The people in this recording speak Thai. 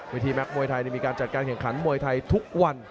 แม็กมวยไทยมีการจัดการแข่งขันมวยไทยทุกวัน